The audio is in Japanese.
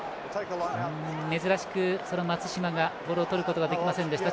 珍しく松島がボールをとることができませんでした。